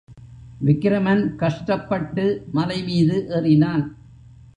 விக்கிரமன் கஷ்டப்பட்டு மலைமீது ஏறினான்.